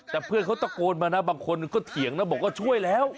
แต่เพื่อนเขาตะโกนมานะบางคนก็เถียงนะบอกว่าช่วยแล้ว